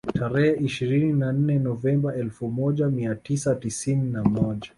Tarehe ishirini na nne Novemba elfu moja mia tisa tisini na moja